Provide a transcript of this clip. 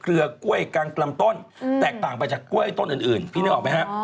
เรือกล้วยกลางลำต้นแตกต่างไปจากกล้วยต้นอื่นพี่นึกออกไหมฮะ